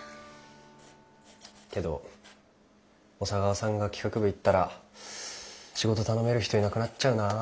けど小佐川さんが企画部行ったら仕事頼める人いなくなっちゃうなぁ。